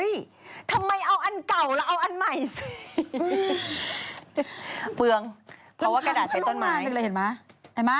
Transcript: แล้วเห็นไหมเห็นไหม